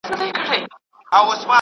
زه له سهاره کتابونه لوستم؟